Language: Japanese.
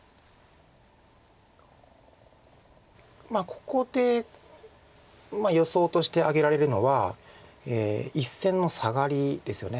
まあここで予想として挙げられるのは１線のサガリですよね。